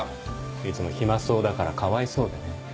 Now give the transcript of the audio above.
いつも暇そうだからかわいそうでね。